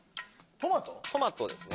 トマトですね。